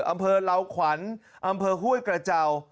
อำเภอเหล่าขวัญอำเภอห้วยกระเจ้า